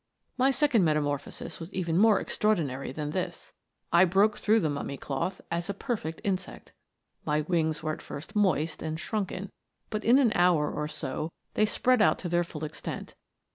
My second metamorphosis was even more extraordinary than this. I broke through the mummy cloth as a perfect insect. My wings were at first moist and shrunken, but in an hour or so they spread out to their full extent.